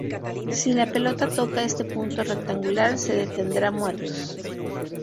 Si la pelota toca este punto rectangular, se detendrá muertos.